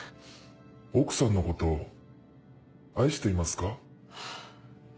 奥さんのことを愛していますか？